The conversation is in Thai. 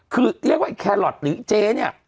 คือเรียกว่าไอ้แครอทหรือเจ๊เนี่ย